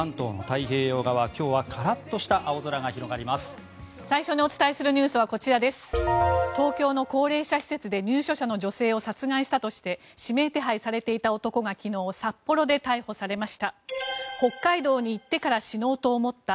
東京の高齢者施設で入所者の女性を殺害したとして指名手配されていた男が昨日、札幌で逮捕されました。